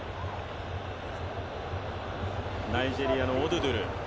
ナイジェリアのオドゥドゥル。